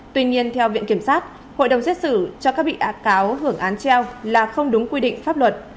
tuy nhiên theo viện kiểm sát hội đồng xét xử cho các bị ác hưởng án treo là không đúng quy định pháp luật